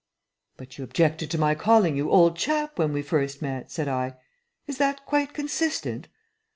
"But you objected to my calling you old chap when we first met," said I. "Is that quite consistent?"